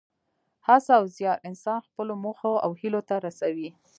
هڅه او زیار انسان خپلو موخو او هیلو ته رسوي.